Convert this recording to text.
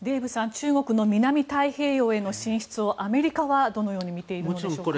中国の南太平洋への進出をアメリカはどのように見ているんでしょうか。